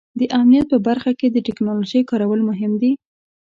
د امنیت په برخه کې د ټیکنالوژۍ کارول مهم دي.